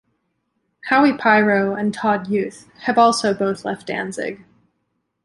Howie Pyro and Todd Youth have also both left Danzig.